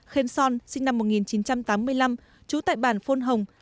khen son sinh năm một nghìn chín trăm tám mươi năm chú tại bản phôn hồng